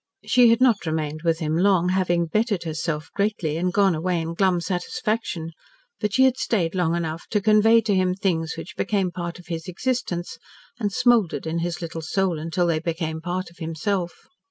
She had not remained with him long, having "bettered herself" greatly and gone away in glum satisfaction, but she had stayed long enough to convey to him things which became part of his existence, and smouldered in his little soul until they became part of himself.